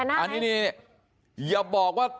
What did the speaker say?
อันนี้นี่อย่าบอกว่า